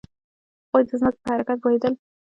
هغوی د ځمکې په حرکت پوهیدل.